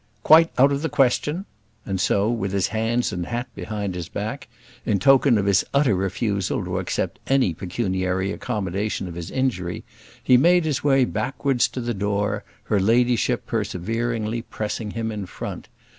"Quite out of the question." And so, with his hands and hat behind his back, in token of his utter refusal to accept any pecuniary accommodation of his injury, he made his way backwards to the door, her ladyship perseveringly pressing him in front.